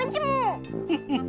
フフフ。